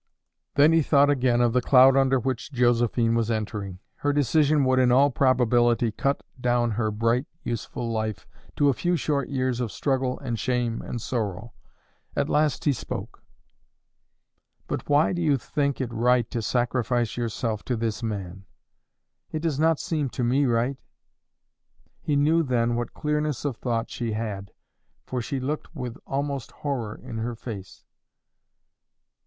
Then he thought again of the cloud under which Josephine was entering. Her decision would in all probability cut down her bright, useful life to a few short years of struggle and shame and sorrow. At last he spoke: "But why do you think it right to sacrifice yourself to this man? It does not seem to me right." He knew then what clearness of thought she had, for she looked with almost horror in her face.